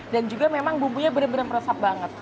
dan juga memang bumbunya benar benar meresap banget